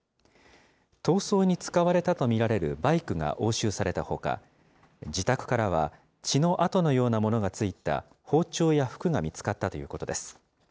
逃走に使われたと見られるバイクが押収されたほか、自宅からは血の跡のようなものがついた包丁や服が見つかったということです。